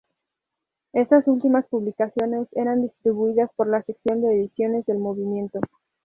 Estas últimas publicaciones eran distribuidas por la Sección de Ediciones del Movimiento.